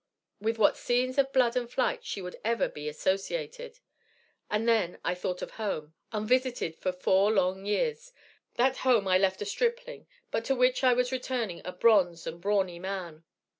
_ With what scenes of blood and flight she would ever he associated! And then I thought of home, unvisited for four long years that home I left a stripling, but to which I was returning a bronzed and brawny man.